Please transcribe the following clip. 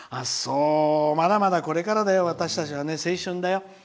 まだまだこれからだよ、私たちは青春だよ。